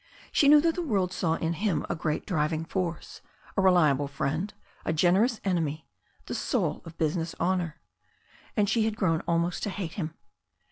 She knew that the world saw in him a great driving force, a reliable friend, a generous enemy, the soul of business honour. And she had grown almost to hate him.